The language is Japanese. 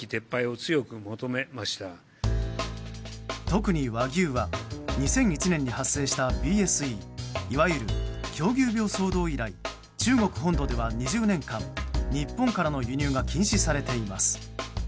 特に和牛は２００１年に発生したＢＳＥいわゆる狂牛病騒動以来中国本土では２０年間、日本からの輸入が禁止されています。